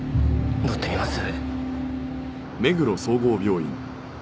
乗ってみます？